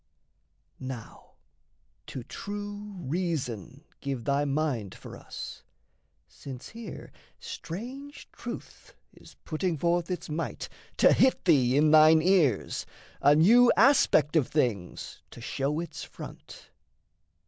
Now to true reason give thy mind for us. Since here strange truth is putting forth its might To hit thee in thine ears, a new aspect Of things to show its front.